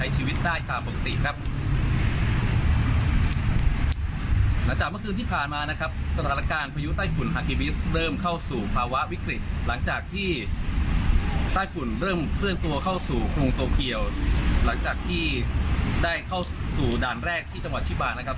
เจ้าพายุตัวเข้าสู่กรุงโตเกียวหลังจากที่ได้เข้าสู่ด่านแรกที่จังหวัดชิบานะครับ